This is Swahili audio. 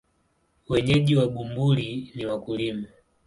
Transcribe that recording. Wenyeji wa Bumbuli ni wakulima.